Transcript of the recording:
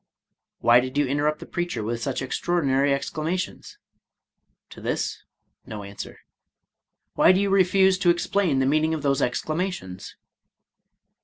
" Why did you interrupt the preacher with such extraordinary exclamations ?"— ^To this no answer. " Why do you refuse to explain the meaning of those exclamations